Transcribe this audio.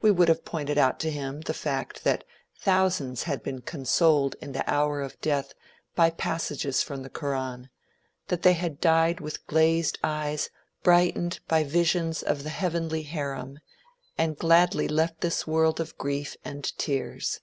We would have pointed out to him the fact that thousands had been consoled in the hour of death by passages from the Koran; that they had died with glazed eyes brightened by visions of the heavenly harem, and gladly left this world of grief and tears.